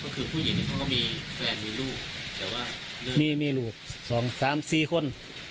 พี่มีลูก๓๔คน